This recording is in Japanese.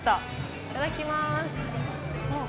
いただきます。